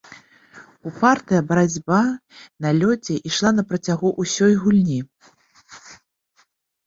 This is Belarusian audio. Упартая барацьба на лёдзе ішла на працягу ўсёй гульні.